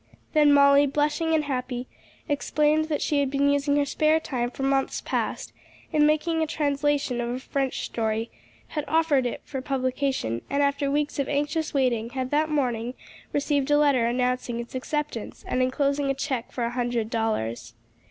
Then Molly, blushing and happy, explained that she had been using her spare time for months past, in making a translation of a French story, had offered it for publication, and, after weeks of anxious waiting, had that morning received a letter announcing its acceptance, and enclosing a check for a hundred dollars.